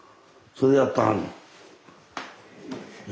それでやってはんの？